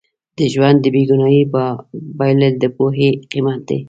د ژوند د بې ګناهۍ بایلل د پوهې قیمت دی.